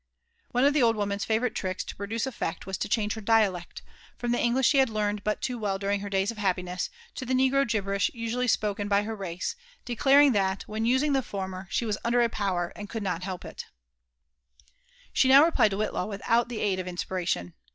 One of the old .woman's favourite tricks to produce effect was to change her dialect, from the English she had learned but too well dur ing her days of happiness, to. the negro gibberish usually spoken by her race; declaring that, when using the former, she was under a power," and could. not help ik She now replied to Whitlaw without the aid of inspiration.